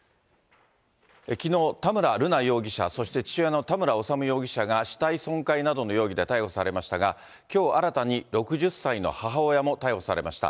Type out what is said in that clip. きのう、田村瑠奈容疑者、そして父親の田村修容疑者が死体損壊などの容疑で逮捕されましたが、きょう、新たに６０歳の母親も逮捕されました。